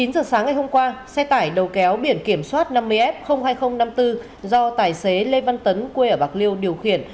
chín giờ sáng ngày hôm qua xe tải đầu kéo biển kiểm soát năm mươi f hai nghìn năm mươi bốn do tài xế lê văn tấn quê ở bạc liêu điều khiển